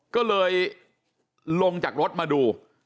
ก็เลยลงจากรถมาดู